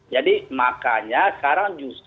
jadi makanya sekarang justru